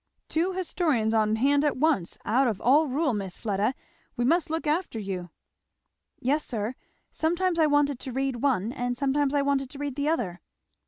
"Two histories on hand at once! Out of all rule, Miss Fleda! We must look after you." "Yes sir; sometimes I wanted to read one, and sometimes I wanted to read the other."